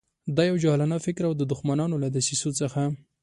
دا یو جاهلانه فکر او د دښمنانو له دسیسو څخه.